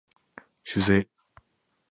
修正